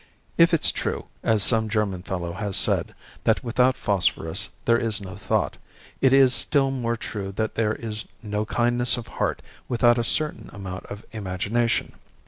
If it's true, as some German fellow has said, that without phosphorus there is no thought, it is still more true that there is no kindness of heart without a certain amount of imagination.